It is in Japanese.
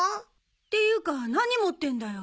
っていうか何持ってんだよ？